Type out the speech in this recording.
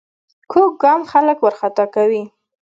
کوږ ګام خلک وارخطا کوي